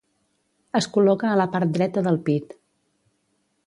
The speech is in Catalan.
Es col·loca a la part dreta del pit.